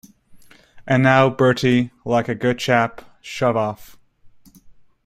And now, Bertie, like a good chap, shove off.